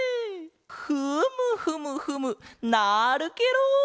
フムフムフムなるケロ！